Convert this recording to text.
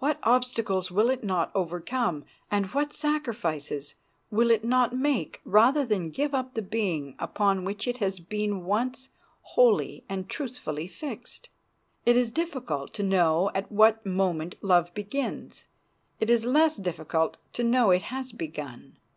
What obstacles will it not overcome, and what sacrifices will it not make rather than give up the being upon which it has been once wholly and truthfully fixed! It is difficult to know at what moment love begins; it is less difficult to know it has begun.